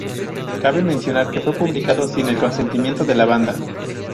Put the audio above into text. Cabe mencionar que fue publicado sin el consentimiento de la banda.